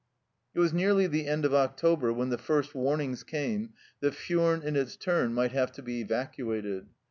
It was nearly the end of October when the first warnings came that Furnes in its turn might have to be evacuated.